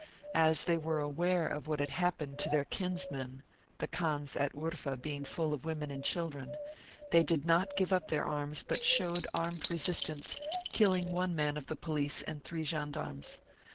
As they were aware of what had hap pened to their kinsmen the khans at Urfa being full of women and children they did not give up their arms, but showed armed resistance, killing one man of the police and three gendarmes.